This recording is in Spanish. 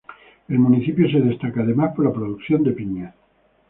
El municipio se destaca además por la producción de piñas.